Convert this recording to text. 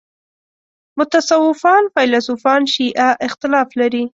متصوفان فیلسوفان شیعه اختلاف لري.